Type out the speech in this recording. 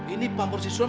ini pamor si sulam